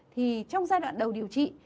thì trong giai đoạn đầu điều trị